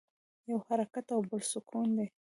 یو حرکت او بل سکون دی.